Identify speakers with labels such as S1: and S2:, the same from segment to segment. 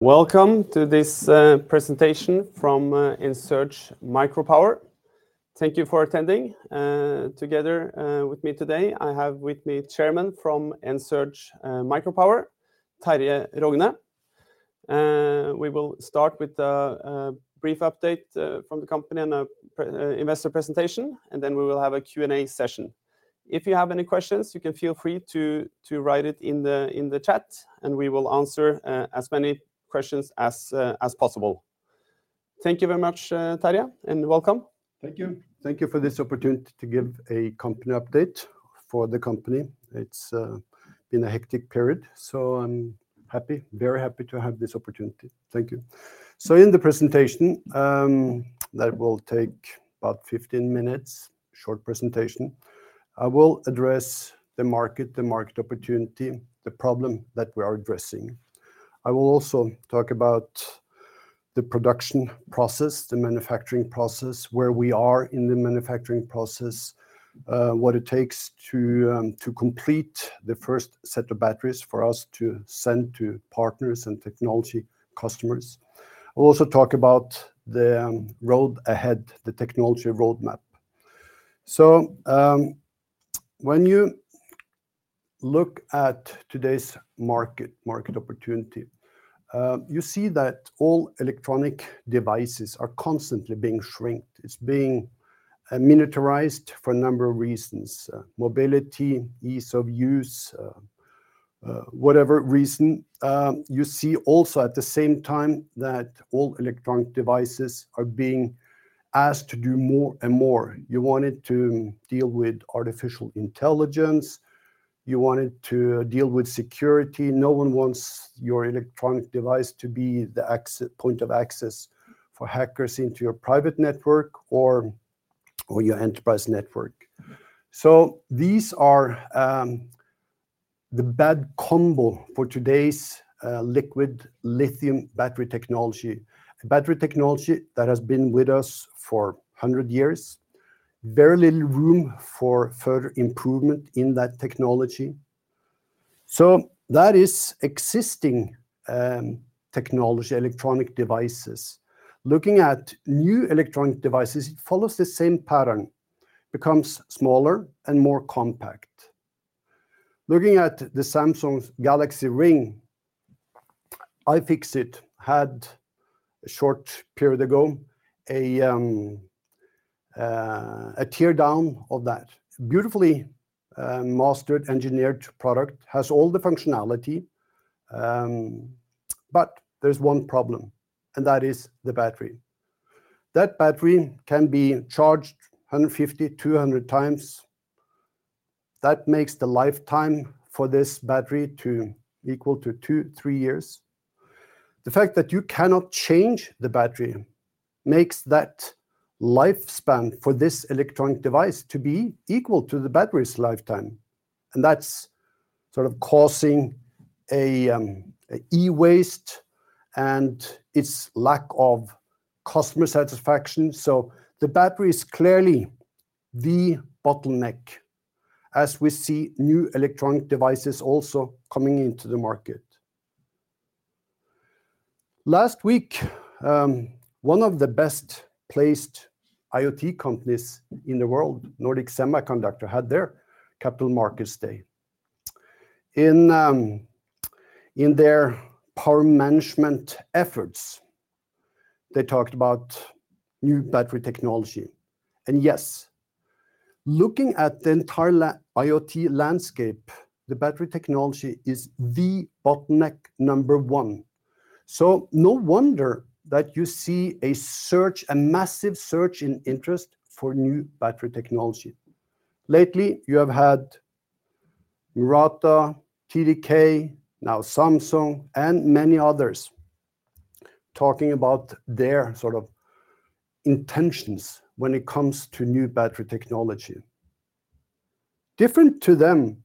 S1: Welcome to this presentation from Ensurge Micropower. Thank you for attending. Together with me today, I have with me Chairman from Ensurge Micropower, Terje Rogne. We will start with a brief update from the company and an investor presentation, and then we will have a Q&A session. If you have any questions, you can feel free to write it in the chat, and we will answer as many questions as possible. Thank you very much, Terje, and welcome.
S2: Thank you. Thank you for this opportunity to give a company update for the company. It's been a hectic period, so I'm happy, very happy to have this opportunity. Thank you. So in the presentation that will take about fifteen minutes, short presentation, I will address the market, the market opportunity, the problem that we are addressing. I will also talk about the production process, the manufacturing process, where we are in the manufacturing process, what it takes to complete the first set of batteries for us to send to partners and technology customers. I'll also talk about the road ahead, the technology roadmap. So when you look at today's market, market opportunity, you see that all electronic devices are constantly being shrinked. It's being miniaturized for a number of reasons, mobility, ease of use, whatever reason. You see also at the same time that all electronic devices are being asked to do more and more. You want it to deal with artificial intelligence. You want it to deal with security. No one wants your electronic device to be the access point of access for hackers into your private network or your enterprise network. So these are the bad combo for today's liquid lithium battery technology, a battery technology that has been with us for hundred years. Very little room for further improvement in that technology. So that is existing technology, electronic devices. Looking at new electronic devices, it follows the same pattern, becomes smaller and more compact. Looking at Samsung's Galaxy Ring, iFixit had a short period ago a teardown of that. Beautifully mastered, engineered product, has all the functionality, but there's one problem, and that is the battery. That battery can be charged 150-200 times. That makes the lifetime for this battery to equal to two-three years. The fact that you cannot change the battery makes that lifespan for this electronic device to be equal to the battery's lifetime, and that's sort of causing a e-waste and its lack of customer satisfaction, so the battery is clearly the bottleneck, as we see new electronic devices also coming into the market. Last week, one of the best placed IoT companies in the world, Nordic Semiconductor, had their capital markets day. In, in their power management efforts, they talked about new battery technology, and yes, looking at the entire IoT landscape, the battery technology is the bottleneck number one. So no wonder that you see a surge, a massive surge in interest for new battery technology. Lately, you have had Murata, TDK, now Samsung and many others talking about their sort of intentions when it comes to new battery technology. Different to them,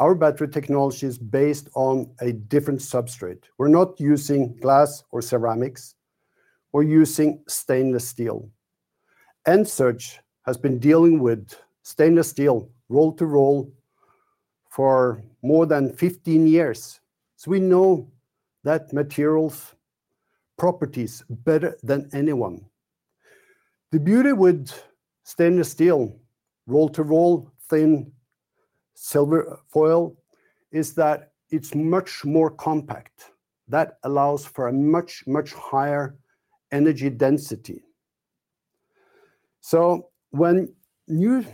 S2: our battery technology is based on a different substrate. We're not using glass or ceramics. We're using stainless steel. Ensurge has been dealing with stainless steel roll-to-roll for more than 15 years, so we know that material's properties better than anyone. The beauty with stainless steel roll-to-roll, thin stainless foil, is that it's much more compact. That allows for a much, much higher energy density. So when new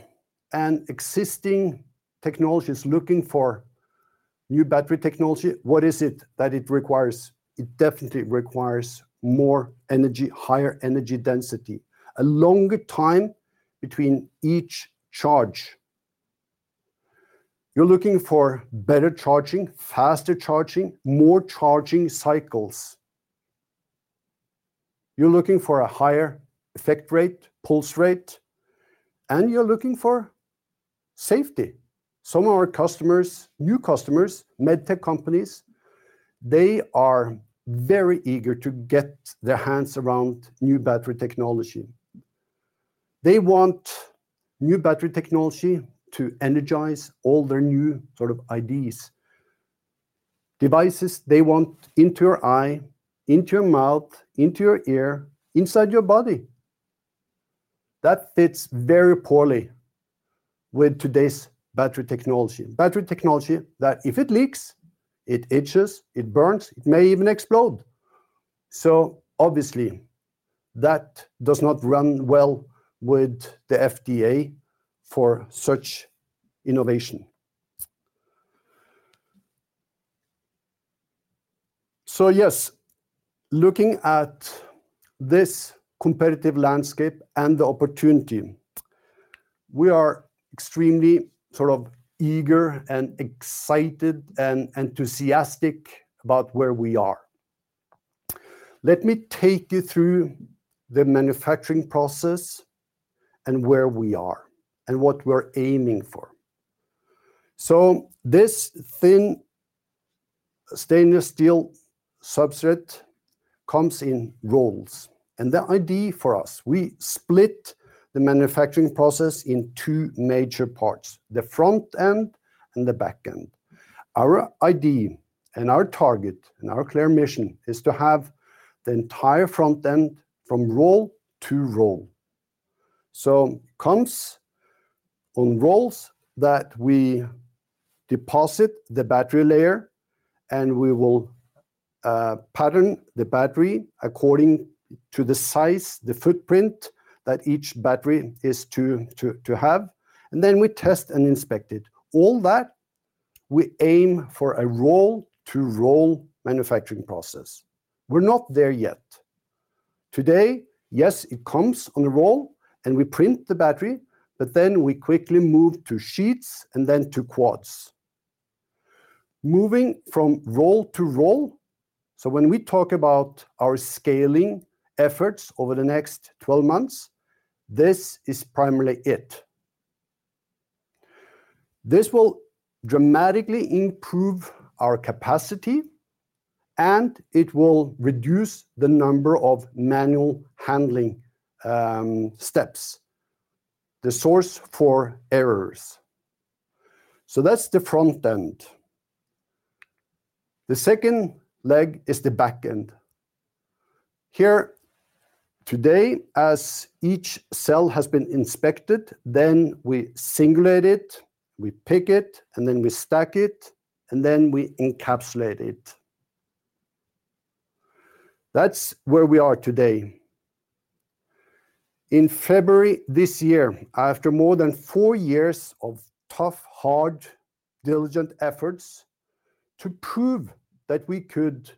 S2: and existing technology is looking for new battery technology, what is it that it requires? It definitely requires more energy, higher energy density, a longer time between each charge. You're looking for better charging, faster charging, more charging cycles. You're looking for a higher effect rate, pulse rate, and you're looking for safety. Some of our customers, new customers, med tech companies, they are very eager to get their hands around new battery technology... They want new battery technology to energize all their new sort of ideas. Devices they want into your eye, into your mouth, into your ear, inside your body. That fits very poorly with today's battery technology. Battery technology that if it leaks, it itches, it burns, it may even explode. So obviously, that does not run well with the FDA for such innovation. So yes, looking at this competitive landscape and the opportunity, we are extremely sort of eager and excited and enthusiastic about where we are. Let me take you through the manufacturing process and where we are and what we're aiming for. So this thin stainless steel substrate comes in rolls, and the idea for us, we split the manufacturing process in two major parts: the front end and the back end. Our idea and our target and our clear mission is to have the entire front end from roll to roll. So comes on rolls that we deposit the battery layer, and we will pattern the battery according to the size, the footprint that each battery is to have, and then we test and inspect it. All that, we aim for a roll to roll manufacturing process. We're not there yet. Today, yes, it comes on a roll, and we print the battery, but then we quickly move to sheets and then to quads. Moving from roll to roll, so when we talk about our scaling efforts over the next twelve months, this is primarily it. This will dramatically improve our capacity, and it will reduce the number of manual handling steps, the source for errors. So that's the front end. The second leg is the back end. Here, today, as each cell has been inspected, then we singulate it, we pick it, and then we stack it, and then we encapsulate it. That's where we are today. In February this year, after more than four years of tough, hard, diligent efforts to prove that we could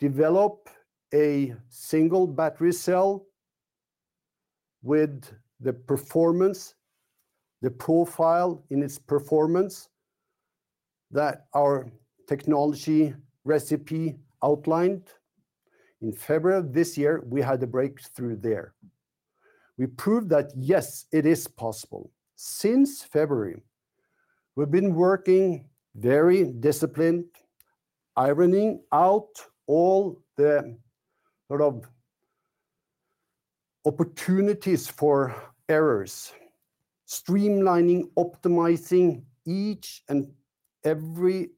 S2: develop a single battery cell with the performance, the profile in its performance, that our technology recipe outlined, in February of this year, we had a breakthrough there. We proved that, yes, it is possible. Since February, we've been working very disciplined, ironing out all the sort of opportunities for errors, streamlining, optimizing each and every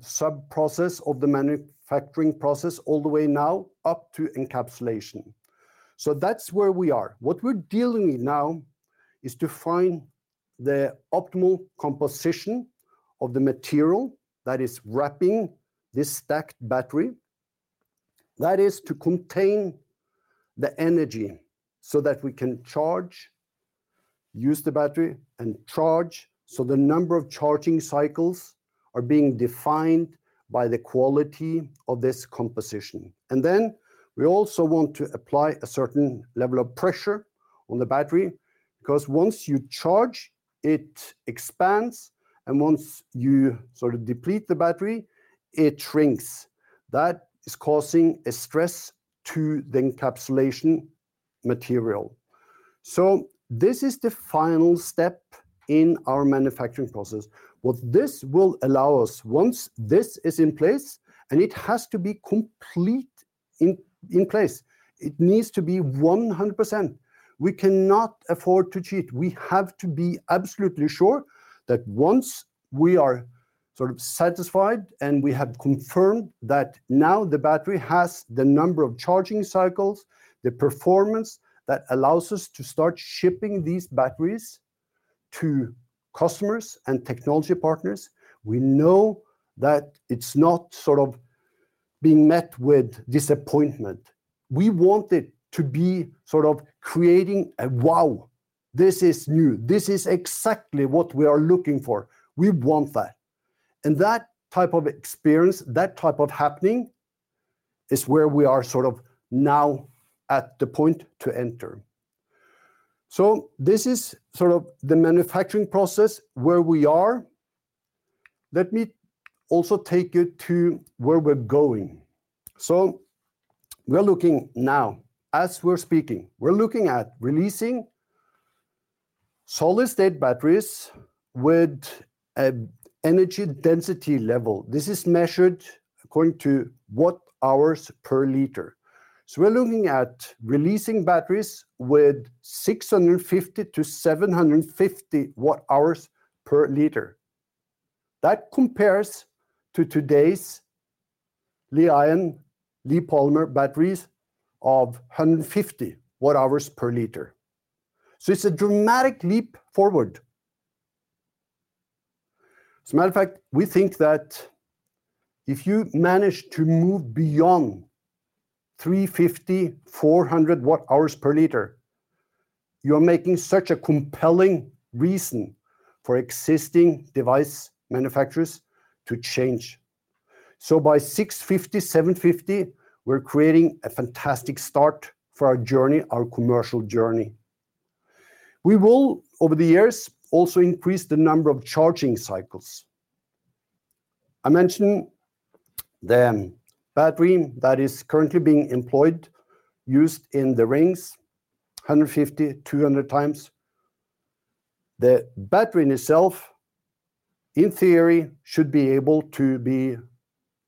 S2: sub-process of the manufacturing process all the way now up to encapsulation. That's where we are. What we're dealing with now is to find the optimal composition of the material that is wrapping this stacked battery. That is to contain the energy so that we can charge, use the battery and charge, so the number of charging cycles are being defined by the quality of this composition. And then we also want to apply a certain level of pressure on the battery, 'cause once you charge, it expands, and once you sort of deplete the battery, it shrinks. That is causing a stress to the encapsulation material. So this is the final step in our manufacturing process. What this will allow us, once this is in place, and it has to be complete in place, it needs to be 100%. We cannot afford to cheat. We have to be absolutely sure that once we are sort of satisfied, and we have confirmed that now the battery has the number of charging cycles, the performance that allows us to start shipping these batteries to customers and technology partners, we know that it's not sort of being met with disappointment. We want it to be sort of creating a, "Wow, this is new. This is exactly what we are looking for." We want that. And that type of experience, that type of happening, is where we are sort of now at the point to enter. So this is sort of the manufacturing process where we are. Let me also take you to where we're going. So we're looking now, as we're speaking, we're looking at releasing solid-state batteries with an energy density level. This is measured according to watt-hours per liter. We're looking at releasing batteries with 650-750 watt-hours per liter. That compares to today's Li-ion, Li-polymer batteries of 150 watt-hours per liter. So it's a dramatic leap forward. As a matter of fact, we think that if you manage to move beyond 350-400 watt-hours per liter, you're making such a compelling reason for existing device manufacturers to change. So by 650-750, we're creating a fantastic start for our journey, our commercial journey. We will, over the years, also increase the number of charging cycles. I mentioned the battery that is currently being employed, used in the rings, 150-200 times. The battery in itself, in theory, should be able to be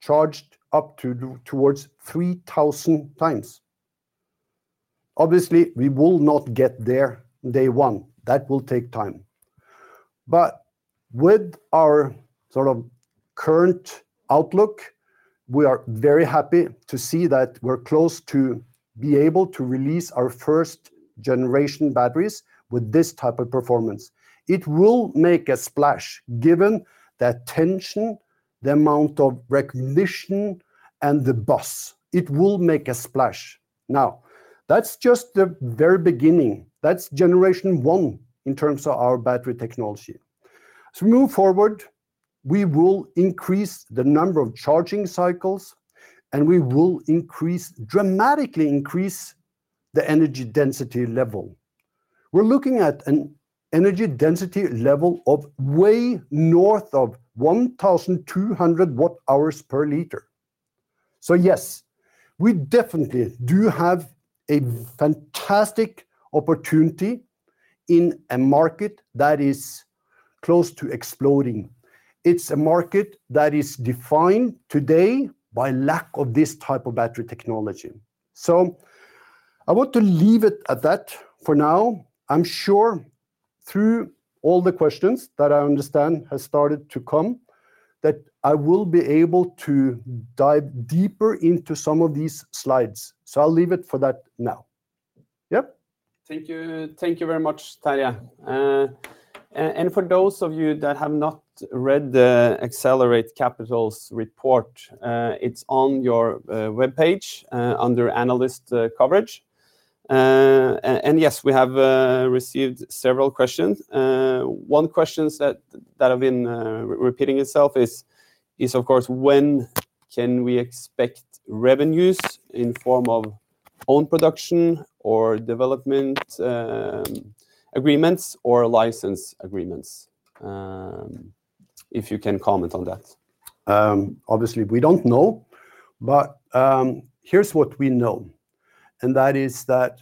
S2: charged up to towards 3,000 times. Obviously, we will not get there day one. That will take time. With our sort of current outlook, we are very happy to see that we're close to be able to release our first generation batteries with this type of performance. It will make a splash, given the attention, the amount of recognition, and the buzz. It will make a splash. Now, that's just the very beginning. That's generation one in terms of our battery technology. As we move forward, we will increase the number of charging cycles, and we will increase, dramatically increase, the energy density level. We're looking at an energy density level of way north of 1,200 watt hours per liter. So yes, we definitely do have a fantastic opportunity in a market that is close to exploding. It's a market that is defined today by lack of this type of battery technology. So I want to leave it at that for now. I'm sure through all the questions, that I understand have started to come, that I will be able to dive deeper into some of these slides. So I'll leave it for that now. Yep?
S1: Thank you. Thank you very much, Terje, and for those of you that have not read the Accelerate Capital's report, it's on your webpage, under Analyst Coverage. And, yes, we have received several questions. One questions that that have been repeating itself is, of course, "When can we expect revenues in form of own production or development agreements or license agreements?" If you can comment on that.
S2: Obviously we don't know, but here's what we know, and that is that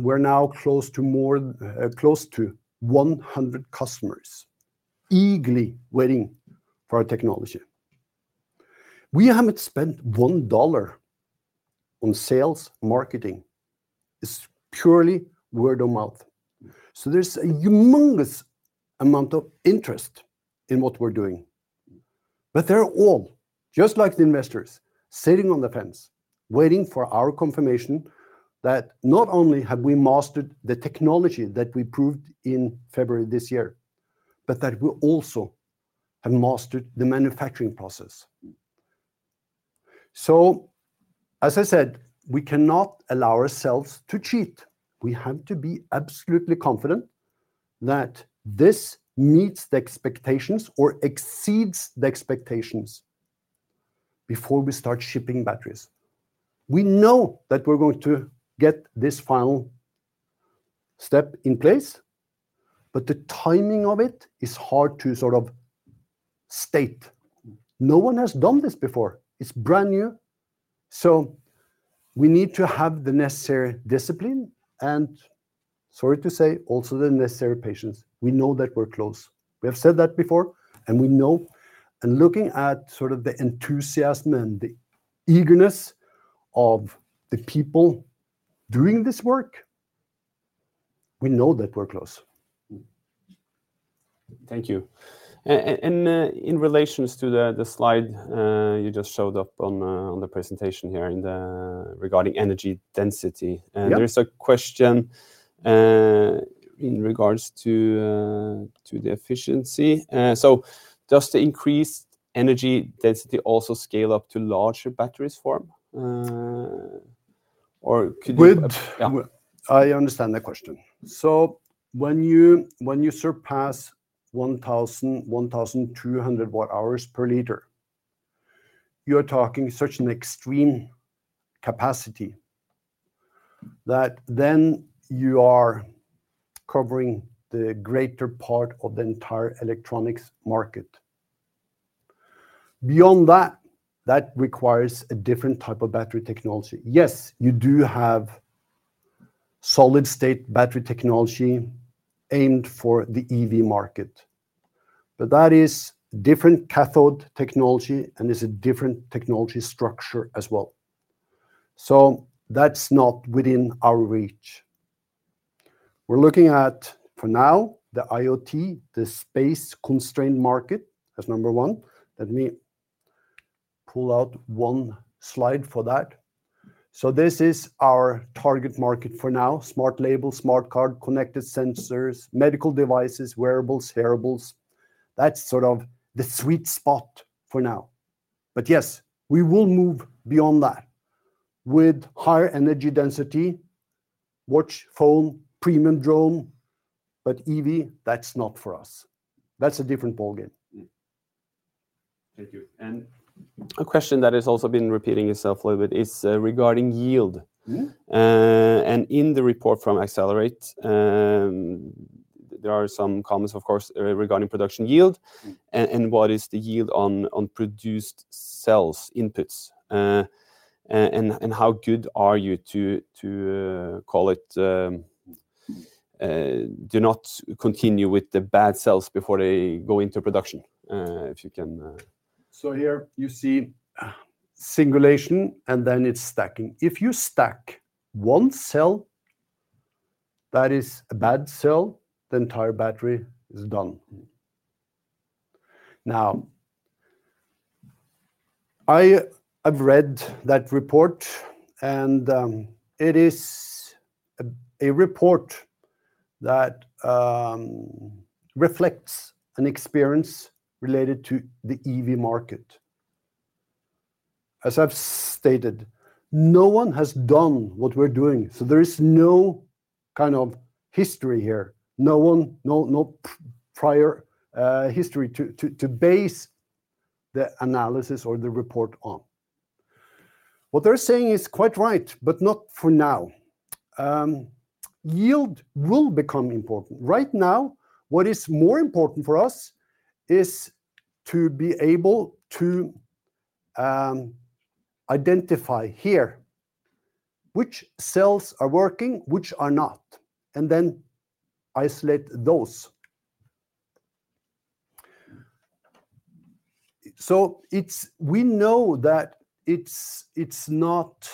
S2: we're now close to 100 customers eagerly waiting for our technology. We haven't spent $1 on sales marketing. It's purely word of mouth. So there's a humongous amount of interest in what we're doing. But they're all, just like the investors, sitting on the fence, waiting for our confirmation that not only have we mastered the technology that we proved in February this year, but that we also have mastered the manufacturing process. So, as I said, we cannot allow ourselves to cheat. We have to be absolutely confident that this meets the expectations or exceeds the expectations before we start shipping batteries. We know that we're going to get this final step in place, but the timing of it is hard to sort of state. No one has done this before. It's brand new, so we need to have the necessary discipline and, sorry to say, also the necessary patience. We know that we're close. We have said that before, and we know and looking at sort of the enthusiasm and the eagerness of the people doing this work, we know that we're close.
S1: Thank you and in relation to the slide you just showed up on the presentation here in the regarding energy density.
S2: Yep....
S1: there's a question in regards to the efficiency. So does the increased energy density also scale up to larger batteries form? Or could you-
S2: With-
S1: Yeah.
S2: I understand the question. So when you, when you surpass 1,000, 1,200 watt-hours per liter, you're talking such an extreme capacity that then you are covering the greater part of the entire electronics market. Beyond that, that requires a different type of battery technology. Yes, you do have solid-state battery technology aimed for the EV market, but that is different cathode technology, and it's a different technology structure as well. So that's not within our reach. We're looking at, for now, the IoT, the space-constrained market, as number one. Let me pull out one slide for that. So this is our target market for now: smart label, smart card, connected sensors, medical devices, wearables, hearables. That's sort of the sweet spot for now. But yes, we will move beyond that. With higher energy density, watch, phone, premium drone, but EV, that's not for us. That's a different ballgame.
S1: Mm-hmm. Thank you. And a question that has also been repeating itself a little bit is, regarding yield.
S2: Mm-hmm.
S1: And in the report from Accelerate, there are some comments, of course, regarding production yield.
S2: Mm.
S1: And what is the yield on produced cells, inputs? And how good are you to call it, do not continue with the bad cells before they go into production? If you can,
S2: Here you see singulation, and then it's stacking. If you stack one cell that is a bad cell, the entire battery is done.
S1: Mm.
S2: Now, I have read that report, and it is a report that reflects an experience related to the EV market. As I've stated, no one has done what we're doing, so there is no kind of history here. No prior history to base the analysis or the report on. What they're saying is quite right, but not for now. Yield will become important. Right now, what is more important for us is to be able to identify here which cells are working, which are not, and then isolate those. So it's we know that it's not.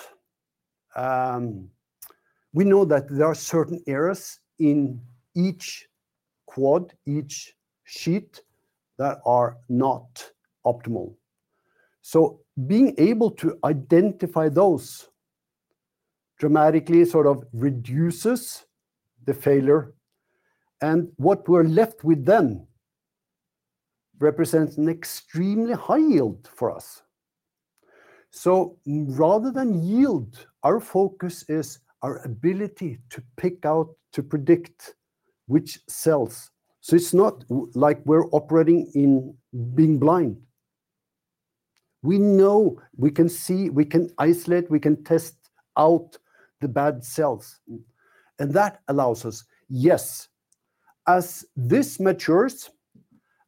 S2: We know that there are certain errors in each quad, each sheet, that are not optimal. So being able to identify those dramatically sort of reduces the failure, and what we're left with then represents an extremely high yield for us. So rather than yield, our focus is our ability to pick out, to predict which cells. So it's not like we're operating in being blind. We know, we can see, we can isolate, we can test out the bad cells.
S1: Mm.
S2: That allows us, yes, as this matures,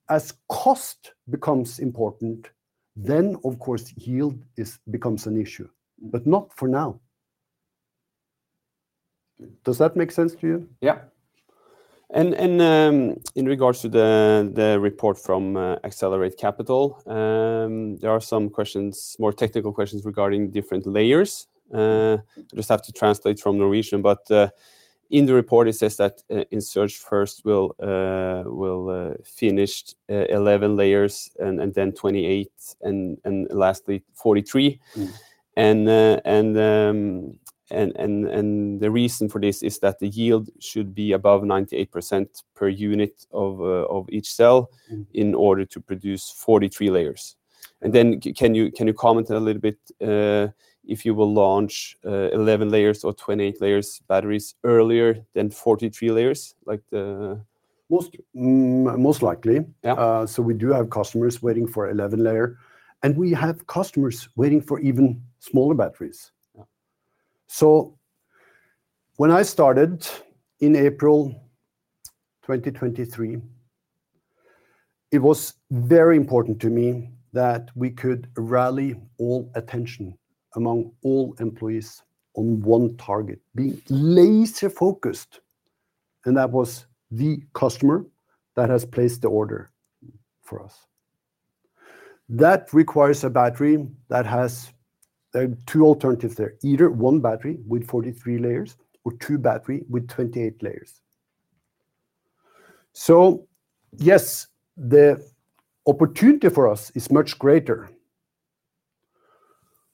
S2: as cost becomes important, then, of course, yield becomes an issue.
S1: Mm.
S2: But not for now. Does that make sense to you?
S1: Yeah. And in regards to the report from Accelerate Capital, there are some more technical questions regarding different layers. I just have to translate from Norwegian, but in the report, it says that Ensurge first we'll finish the 11 layers, and then 28, and lastly, 43.
S2: Mm.
S1: The reason for this is that the yield should be above 98% per unit of each cell-
S2: Mm...
S1: in order to produce 43 layers. And then can you comment a little bit if you will launch 11 layers or 28 layers batteries earlier than 43 layers, like the-
S2: Most likely.
S1: Yeah.
S2: So we do have customers waiting for 11 layer, and we have customers waiting for even smaller batteries.
S1: Yeah.
S2: So when I started in April 2023, it was very important to me that we could rally all attention among all employees on one target, be laser focused, and that was the customer that has placed the order for us.
S1: Mm.
S2: That requires a battery that has two alternatives there: either one battery with 43 layers or two battery with 28 layers. So yes, the opportunity for us is much greater,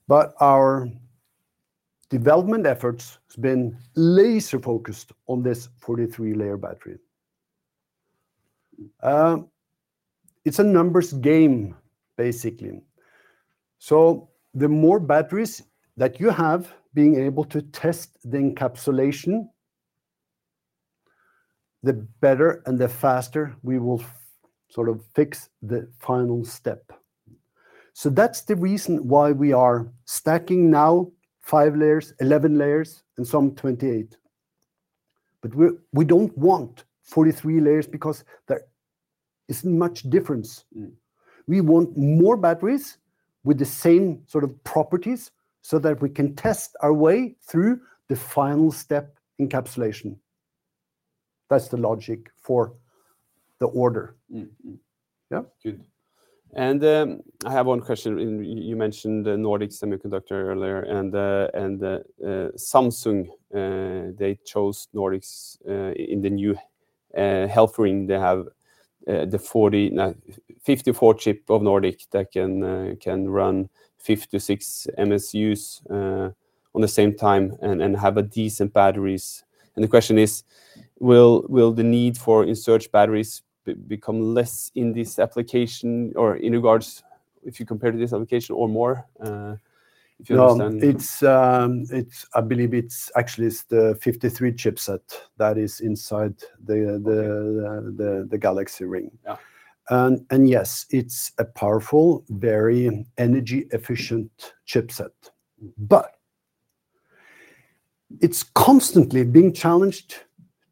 S2: but our development efforts has been laser focused on this forty-three layer battery. It's a numbers game, basically. So the more batteries that you have, being able to test the encapsulation, the better and the faster we will sort of fix the final step.
S1: Mm.
S2: So that's the reason why we are stacking now 5 layers, 11 layers, and some 28... But we're, we don't want 43 layers because there isn't much difference.
S1: Mm.
S2: We want more batteries with the same sort of properties, so that we can test our way through the final step encapsulation. That's the logic for the order.
S1: Mm, mm.
S2: Yeah.
S1: Good. And I have one question. You mentioned the Nordic Semiconductor earlier, and Samsung they chose Nordics in the new health ring. They have the 54 chip of Nordic that can run 56 MSUs on the same time and have a decent batteries. And the question is, will the need for Ensurge batteries become less in this application or in regards if you compare to this application, or more, if you understand?
S2: No, it's. I believe it's actually the 53 chipset that is inside the.
S1: Okay...
S2: the Galaxy Ring.
S1: Yeah.
S2: Yes, it's a powerful, very energy efficient chipset, but it's constantly being challenged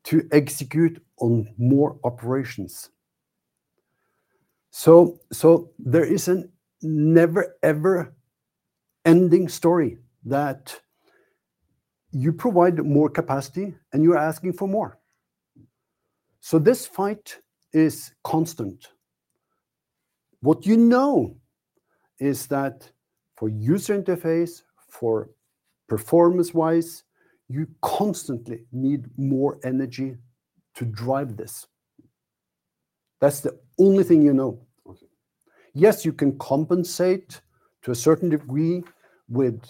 S2: to execute on more operations. There is a never ever ending story that you provide more capacity, and you're asking for more. This fight is constant. What you know is that for user interface, for performance-wise, you constantly need more energy to drive this. That's the only thing you know.
S1: Okay.
S2: Yes, you can compensate to a certain degree with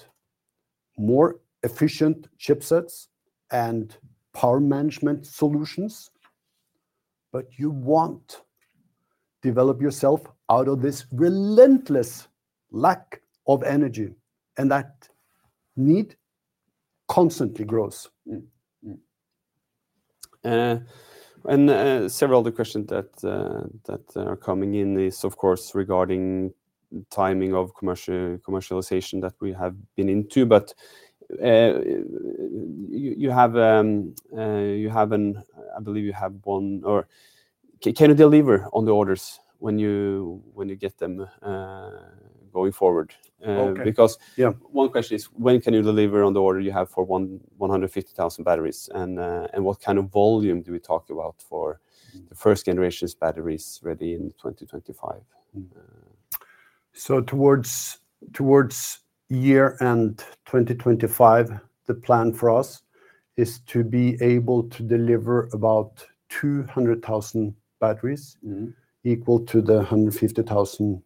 S2: more efficient chipsets and power management solutions, but you can't develop yourself out of this relentless lack of energy, and that need constantly grows.
S1: And several other questions that are coming in is, of course, regarding timing of commercialization that we have been into. But you have, I believe you have one, or can you deliver on the orders when you get them going forward?
S2: Okay.
S1: Uh, because-
S2: Yeah...
S1: one question is, when can you deliver on the order you have for 1,150,000 batteries? And what kind of volume do we talk about for the first generations batteries ready in 2025?
S2: Towards year-end 2025, the plan for us is to be able to deliver about 200,000 batteries.
S1: Mm-hmm...
S2: equal to the 150,000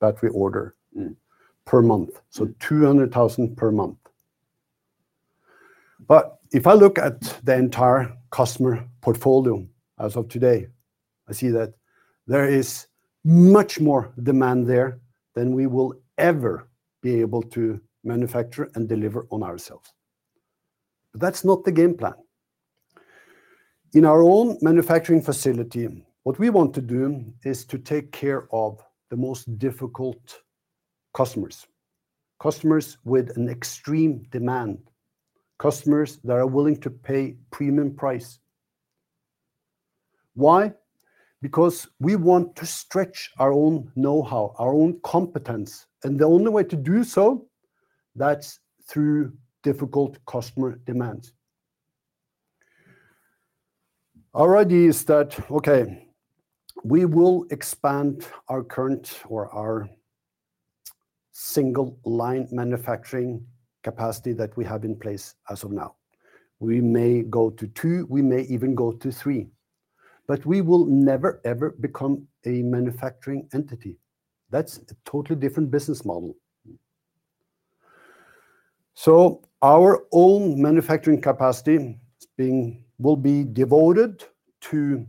S2: battery order-
S1: Mm...
S2: per month. So 200,000 per month. But if I look at the entire customer portfolio as of today, I see that there is much more demand there than we will ever be able to manufacture and deliver on ourselves. But that's not the game plan. In our own manufacturing facility, what we want to do is to take care of the most difficult customers, customers with an extreme demand, customers that are willing to pay premium price. Why? Because we want to stretch our own know-how, our own competence, and the only way to do so, that's through difficult customer demands. Our idea is that, okay, we will expand our current, or our single line manufacturing capacity that we have in place as of now. We may go to two, we may even go to three, but we will never, ever become a manufacturing entity. That's a totally different business model.
S1: Mm.
S2: Our own manufacturing capacity is being, will be devoted to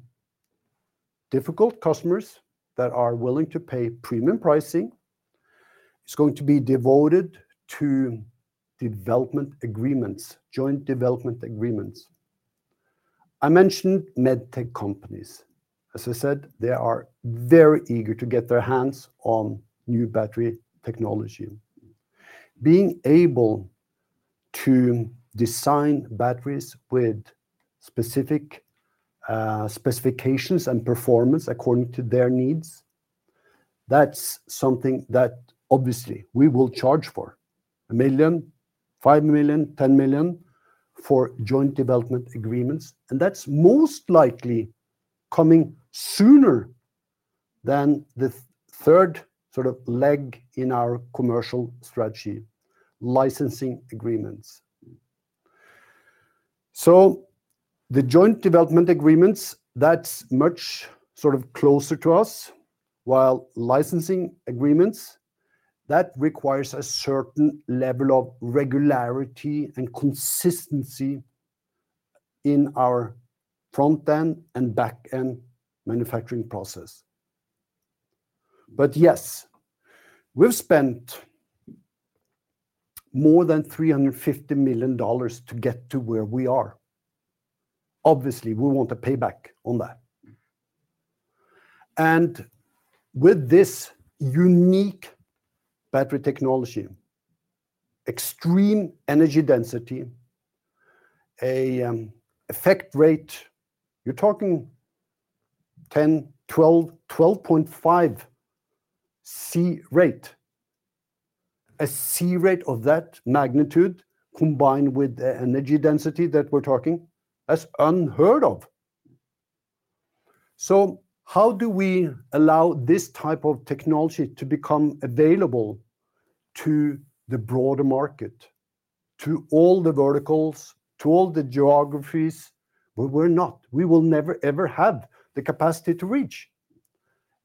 S2: difficult customers that are willing to pay premium pricing. It's going to be devoted to development agreements, joint development agreements. I mentioned med tech companies. As I said, they are very eager to get their hands on new battery technology. Being able to design batteries with specific specifications and performance according to their needs, that's something that obviously we will charge for. $1 million, $5 million, $10 million for joint development agreements, and that's most likely coming sooner than the third sort of leg in our commercial strategy, licensing agreements. The joint development agreements, that's much sort of closer to us, while licensing agreements, that requires a certain level of regularity and consistency in our front end and back end manufacturing process. But yes, we've spent more than $350 million to get to where we are. Obviously, we want a payback on that. And with this unique battery technology, extreme energy density, a C-rate, you're talking 10, 12, 12.5 C-rate. A C-rate of that magnitude combined with the energy density that we're talking, that's unheard of! So how do we allow this type of technology to become available to the broader market, to all the verticals, to all the geographies? But we're not, we will never, ever have the capacity to reach.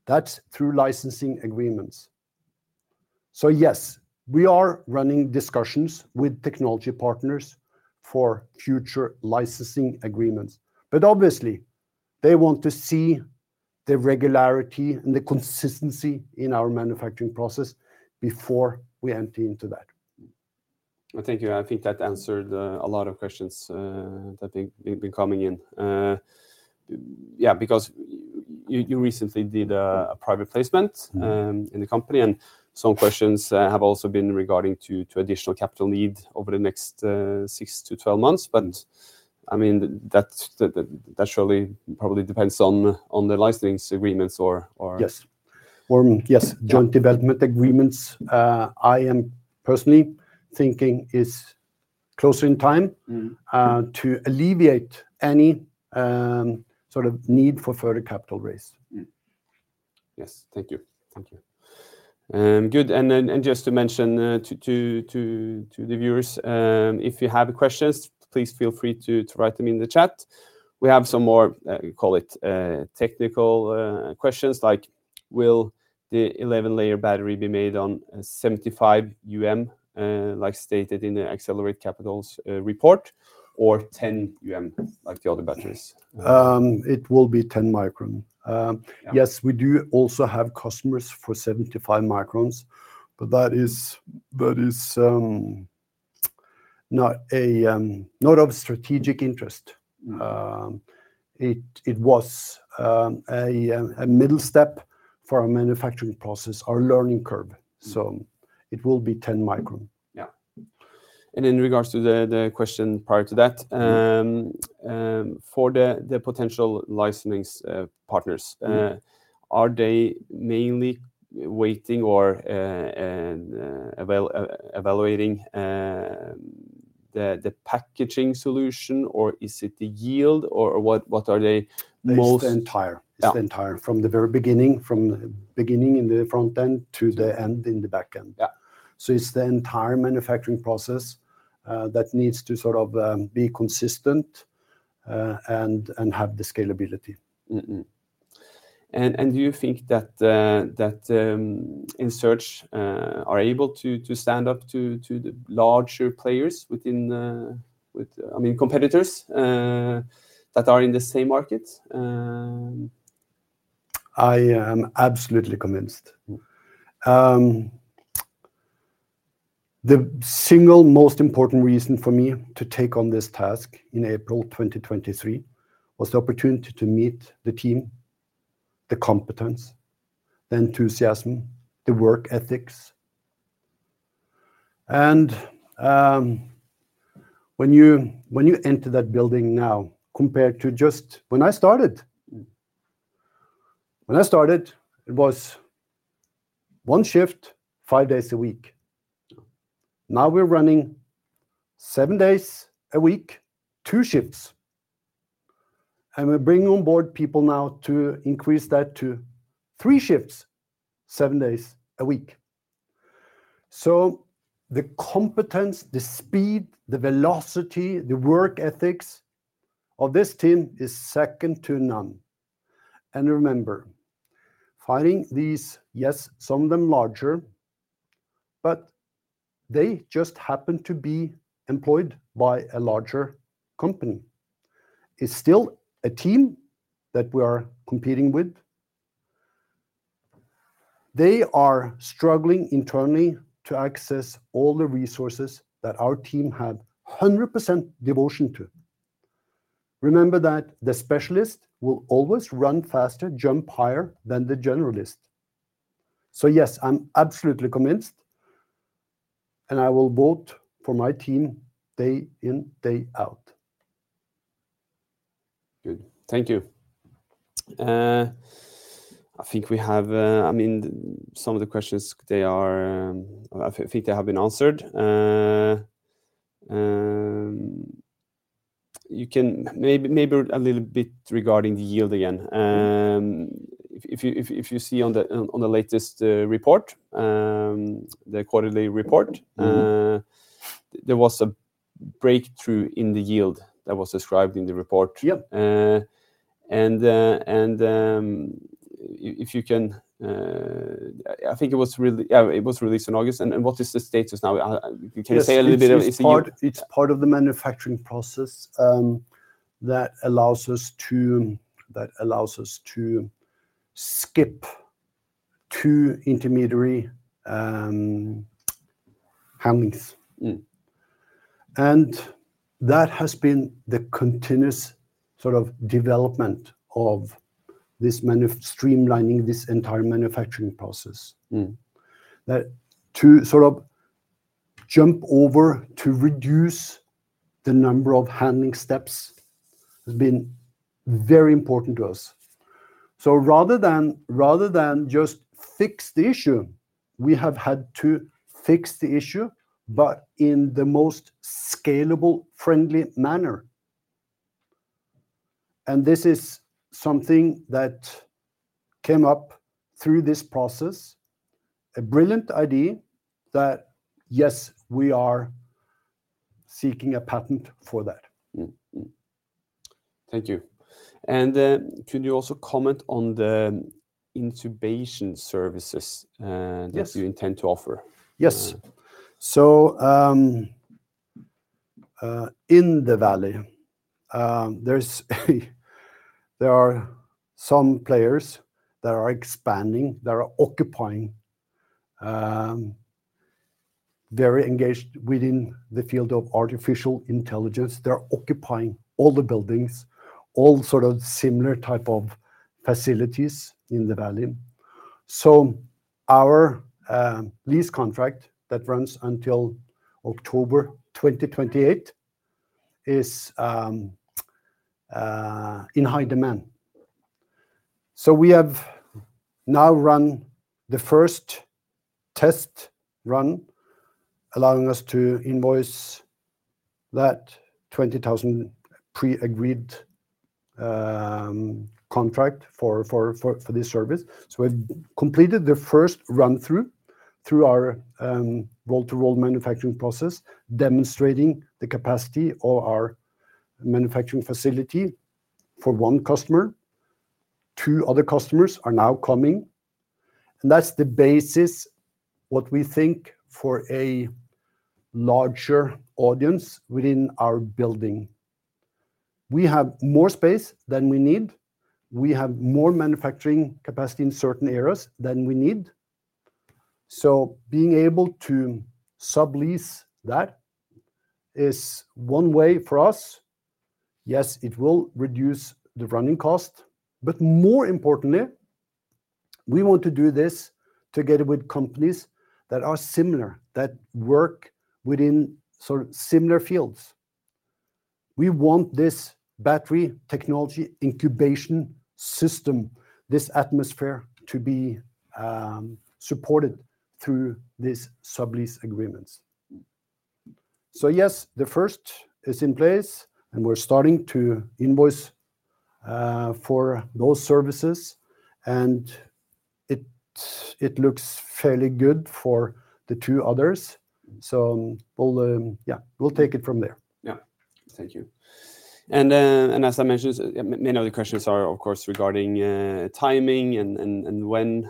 S2: That's through licensing agreements. So yes, we are running discussions with technology partners for future licensing agreements, but obviously they want to see the regularity and the consistency in our manufacturing process before we enter into that.
S1: Thank you. I think that answered a lot of questions that have been coming in. Yeah, because you recently did a private placement-
S2: Mm.
S1: in the company, and some questions have also been regarding to additional capital needs over the next six to 12 months. But, I mean, that's surely probably depends on the licensing agreements or
S2: Yes. Or yes, joint development agreements. I am personally thinking is closer in time-
S1: Mm...
S2: to alleviate any, sort of need for further capital raise.
S1: Yes, thank you. Thank you. Good, and just to mention, to the viewers, if you have questions, please feel free to write them in the chat. We have some more, call it, technical, questions, like, "Will the 11-layer battery be made on a 75 µm, like stated in the Accelerate Capital's report, or 10 µm, like the other batteries?
S2: It will be 10 micron.
S1: Yeah.
S2: Yes, we do also have customers for 75 microns, but that is not of strategic interest.
S1: Mm.
S2: It was a middle step for our manufacturing process, our learning curve.
S1: Mm.
S2: It will be 10 micron.
S1: Yeah, and in regards to the question prior to that-
S2: Mm...
S1: for the potential licensing partners-
S2: Mm...
S1: are they mainly waiting or evaluating the packaging solution, or is it the yield, or what are they most-
S2: It's the entire.
S1: Yeah.
S2: It's the entire, from the very beginning, from the beginning in the front end to the end in the back end.
S1: Yeah.
S2: So it's the entire manufacturing process that needs to sort of be consistent and have the scalability.
S1: Mm-hmm. And do you think that Ensurge are able to stand up to the larger players within... I mean, competitors that are in the same market?
S2: I am absolutely convinced.
S1: Mm.
S2: The single most important reason for me to take on this task in April 2023 was the opportunity to meet the team, the competence, the enthusiasm, the work ethics. And, when you, when you enter that building now, compared to just when I started-
S1: Mm...
S2: when I started, it was one shift, five days a week.
S1: Mm.
S2: Now we're running seven days a week, two shifts, and we're bringing on board people now to increase that to three shifts, seven days a week. So the competence, the speed, the velocity, the work ethics of this team is second to none. And remember, finding these, yes, some of them larger, but they just happen to be employed by a larger company. It's still a team that we are competing with. They are struggling internally to access all the resources that our team have 100% devotion to. Remember that the specialist will always run faster, jump higher than the generalist. So yes, I'm absolutely convinced, and I will vote for my team day in, day out.
S1: Good. Thank you. I think we have, I mean, some of the questions, they are, I think they have been answered. You can maybe a little bit regarding the yield again. If you see on the latest report, the quarterly report-
S2: Mm...
S1: there was a breakthrough in the yield that was described in the report.
S2: Yeah.
S1: If you can, I think it was really released in August, and what is the status now? You can say a little bit about it if you-
S2: Yes, it's part of the manufacturing process that allows us to skip two intermediary handlings.
S1: Mm.
S2: That has been the continuous sort of development of this manufacturing, streamlining this entire manufacturing process.
S1: Mm.
S2: That to sort of jump over to reduce the number of handling steps has been very important to us. So rather than, rather than just fix the issue, we have had to fix the issue, but in the most scalable, friendly manner. And this is something that came up through this process, a brilliant idea that, yes, we are seeking a patent for that.
S1: Mm, mm. Thank you. And can you also comment on the incubation services?
S2: Yes...
S1: that you intend to offer?
S2: Yes. So, in the valley, there are some players that are expanding, that are occupying, very engaged within the field of artificial intelligence. They're occupying all the buildings, all sort of similar type of facilities in the valley. Our lease contract that runs until October 2028 is in high demand. So we have now run the first test run, allowing us to invoice that $20,000 pre-agreed contract for this service. So we've completed the first run through our roll-to-roll manufacturing process, demonstrating the capacity of our manufacturing facility for one customer. Two other customers are now coming, and that's the basis what we think for a larger audience within our building. We have more space than we need. We have more manufacturing capacity in certain areas than we need. So being able to sublease that is one way for us. Yes, it will reduce the running cost, but more importantly, we want to do this together with companies that are similar, that work within sort of similar fields. We want this battery technology incubation system, this atmosphere, to be supported through these sublease agreements. So yes, the first is in place, and we're starting to invoice for those services, and it looks fairly good for the two others. So we'll yeah, we'll take it from there.
S1: Yeah. Thank you. And, as I mentioned, many of the questions are, of course, regarding timing and when,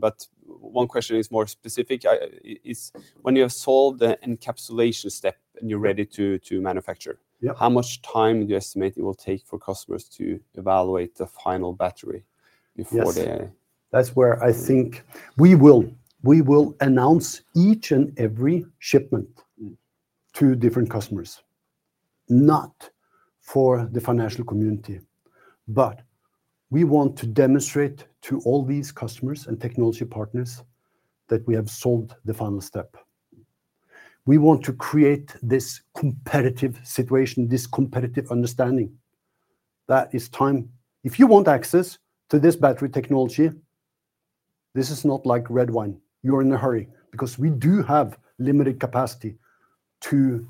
S1: but one question is more specific. It is when you have solved the encapsulation step and you're ready to manufacture-
S2: Yeah...
S1: how much time do you estimate it will take for customers to evaluate the final battery before they-
S2: Yes. That's where I think we will announce each and every shipment.
S1: Mm...
S2: to different customers, not for the financial community. But we want to demonstrate to all these customers and technology partners that we have solved the final step. We want to create this competitive situation, this competitive understanding. That is time. If you want access to this battery technology, this is not like red wine. You're in a hurry, because we do have limited capacity to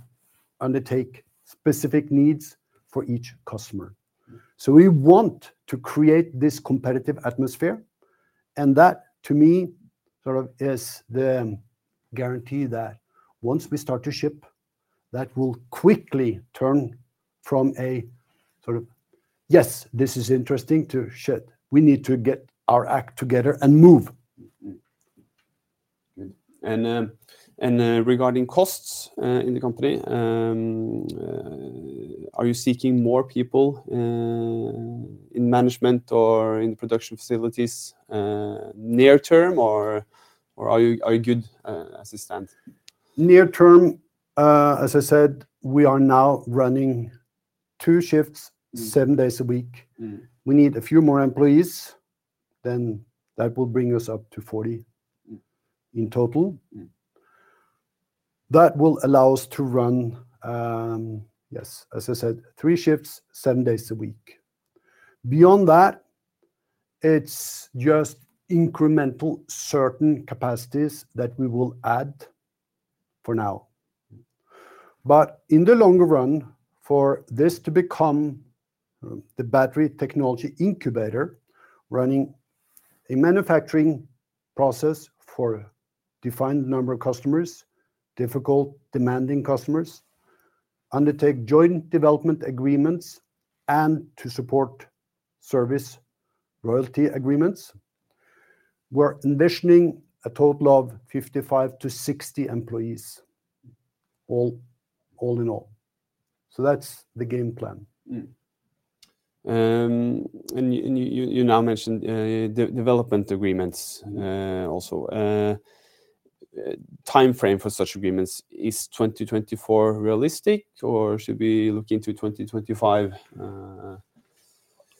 S2: undertake specific needs for each customer.
S1: Mm.
S2: So we want to create this competitive atmosphere, and that, to me, sort of is the guarantee that once we start to ship, that will quickly turn from a sort of, "Yes, this is interesting," to, "Shit, we need to get our act together and move.
S1: Mm-mm. Good. And regarding costs in the company, are you seeking more people in management or in production facilities near term, or are you good as it stands?
S2: Near term, as I said, we are now running two shifts.
S1: Mm...
S2: seven days a week.
S1: Mm.
S2: We need a few more employees, then that will bring us up to forty-
S1: Mm...
S2: in total.
S1: Mm.
S2: That will allow us to run, yes, as I said, three shifts, seven days a week. Beyond that, it's just incremental, certain capacities that we will add for now.
S1: Mm.
S2: But in the longer run, for this to become the battery technology incubator, running a manufacturing process for defined number of customers, difficult, demanding customers, undertake joint development agreements, and to support service royalty agreements, we're envisioning a total of 55-60 employees all in all. So that's the game plan.
S1: You now mentioned development agreements also. Timeframe for such agreements, is 2024 realistic, or should we be looking to 2025?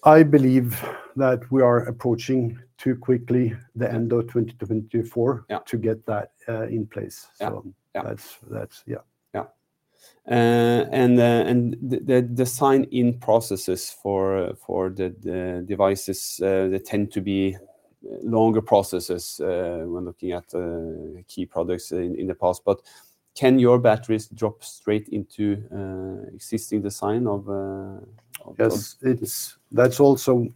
S2: I believe that we are approaching too quickly the end of 2024-
S1: Yeah...
S2: to get that, in place.
S1: Yeah, yeah.
S2: So that's... Yeah.
S1: Yeah. And the sign-in processes for the devices, they tend to be longer processes when looking at key products in the past. But can your batteries drop straight into existing design of of-
S2: Yes, that's also...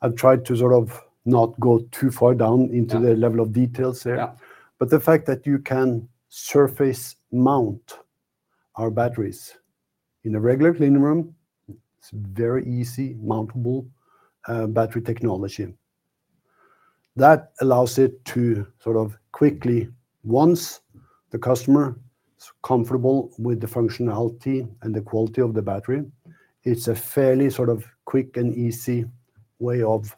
S2: I've tried to sort of not go too far down-
S1: Yeah...
S2: into the level of details there.
S1: Yeah.
S2: but the fact that you can surface mount our batteries in a regular clean room, it's very easy mountable battery technology. That allows it to sort of quickly, once the customer is comfortable with the functionality and the quality of the battery, it's a fairly sort of quick and easy way of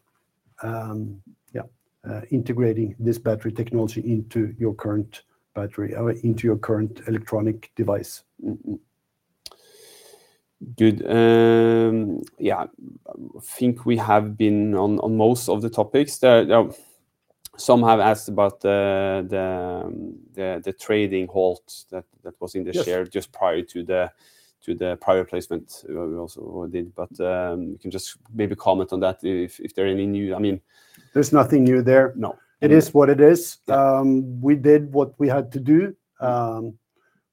S2: integrating this battery technology into your current battery or into your current electronic device.
S1: Mm, mm. Good. Yeah, I think we have been on most of the topics. There, some have asked about the trading halt that was in-
S2: Yes...
S1: the share just prior to the prior placement we also did. But, you can just maybe comment on that, if there are any new... I mean-
S2: There's nothing new there.
S1: No.
S2: It is what it is.
S1: Yeah.
S2: We did what we had to do.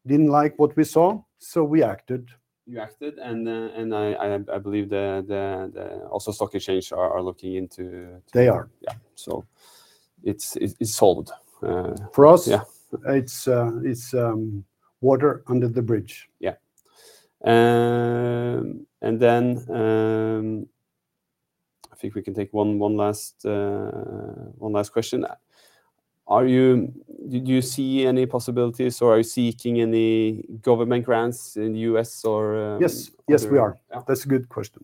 S2: Didn't like what we saw, so we acted.
S1: You acted, and I believe the Oslo Stock Exchange are looking into-
S2: They are.
S1: Yeah.
S2: So-
S1: It's solved.
S2: For us-
S1: Yeah...
S2: it's water under the bridge.
S1: Yeah. And then, I think we can take one last question. Did you see any possibilities, or are you seeking any government grants in the U.S. or,
S2: Yes. Yes, we are.
S1: Yeah.
S2: That's a good question.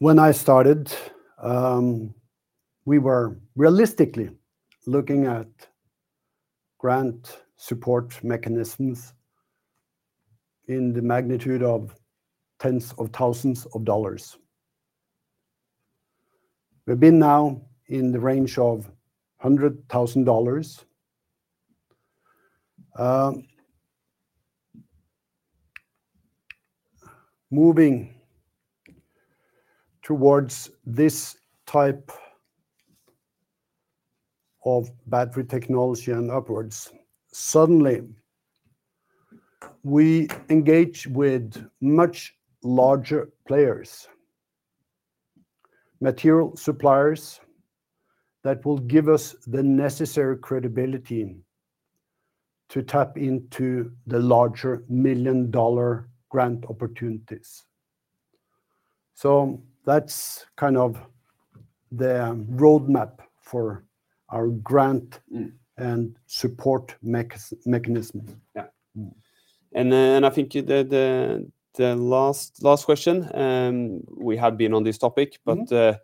S2: When I started, we were realistically looking at grant support mechanisms in the magnitude of tens of thousands of dollars. We've been now in the range of hundred thousand dollars, moving towards this type of battery technology and upwards. Suddenly, we engage with much larger players, material suppliers, that will give us the necessary credibility to tap into the larger million-dollar grant opportunities. So that's kind of the roadmap for our grant-
S1: Mm...
S2: and support mechanism.
S1: Yeah.
S2: Mm.
S1: And then I think the last question we have been on this topic-
S2: Mm-hmm...
S1: but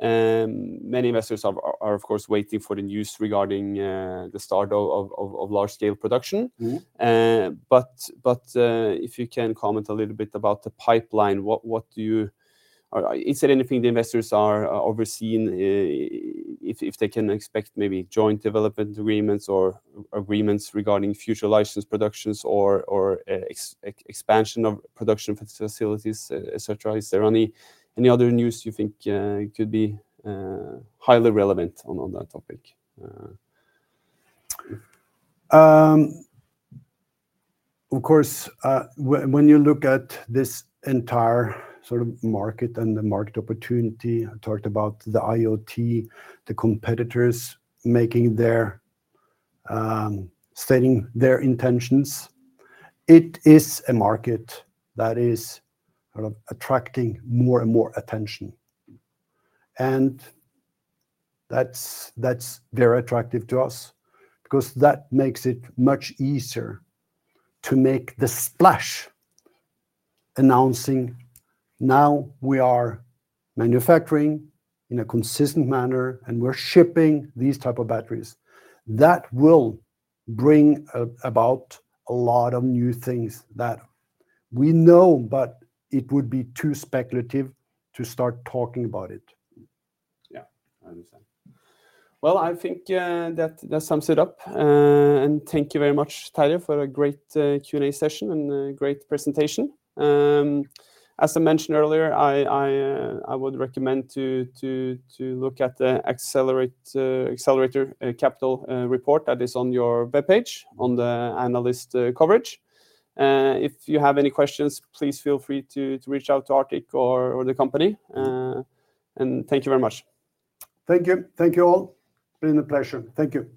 S1: many investors are, of course, waiting for the news regarding the start of large-scale production.
S2: Mm-hmm.
S1: But if you can comment a little bit about the pipeline, what do you... Is there anything the investors are overseeing, if they can expect maybe joint development agreements or agreements regarding future license productions or expansion of production facilities, et cetera? Is there any other news you think could be highly relevant on that topic?
S2: Of course, when you look at this entire sort of market and the market opportunity, I talked about the IoT, the competitors stating their intentions. It is a market that is sort of attracting more and more attention.
S1: Mm.
S2: That's very attractive to us because that makes it much easier to make the splash, announcing, "Now we are manufacturing in a consistent manner, and we're shipping these type of batteries." That will bring about a lot of new things that we know, but it would be too speculative to start talking about it.
S1: Yeah, I understand. Well, I think that sums it up. And thank you very much, Terje, for a great Q&A session and a great presentation. As I mentioned earlier, I would recommend to look at the Accelerate Capital report that is on your webpage, on the analyst coverage. If you have any questions, please feel free to reach out to Arctic or the company, and thank you very much.
S2: Thank you. Thank you all. Been a pleasure. Thank you.